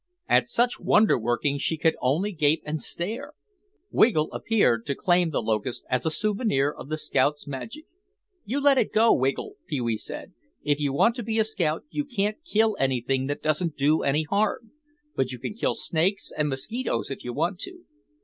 At such wonder working she could only gape and stare. Wiggle appeared to claim the locust as a souvenir of the scout's magic. "You let it go, Wiggle," Pee wee said. "If you want to be a scout you can't kill anything that doesn't do any harm. But you can kill snakes and mosquitoes if you want to."